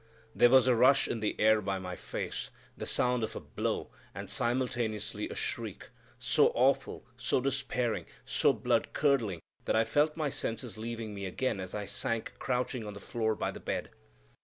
There was a rush in the air by my face, the sound of a blow, and simultaneously a shriek, so awful, so despairing, so blood curdling that I felt my senses leaving me again as I sank crouching on the floor by the bed.